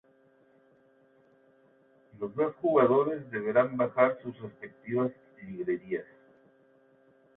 Los dos jugadores deberán barajar sus respectivas librerías.